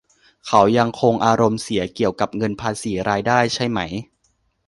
เขายังคงอารมณ์เสียเกี่ยวกับเงินภาษีรายได้ใช่ไหม